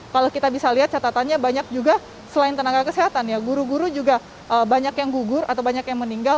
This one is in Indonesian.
kalau kita bisa lihat catatannya banyak juga selain tenaga kesehatan ya guru guru juga banyak yang gugur atau banyak yang meninggal